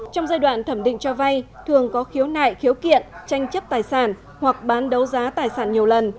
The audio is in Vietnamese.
trong giai đoạn thẩm định cho vay thường có khiếu nại khiếu kiện tranh chấp tài sản hoặc bán đấu giá tài sản nhiều lần